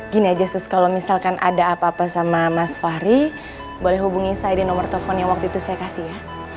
gini aja sus kalau misalkan ada apa apa sama mas fahri boleh hubungi saya di nomor telepon yang waktu itu saya kasih ya